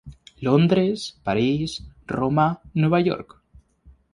Londres, París, Roma, Nueva York.